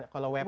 kalau web tiga